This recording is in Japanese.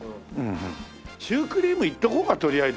シュークリームいっておこうかとりあえずな。